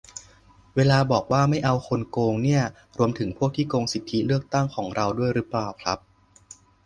เวลาบอกว่า "ไม่เอาคนโกง" เนี่ย รวมถึงพวกที่โกงสิทธิเลือกตั้งของเราด้วยรึเปล่าครับ ?